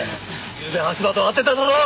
ゆうべ羽柴と会ってただろ！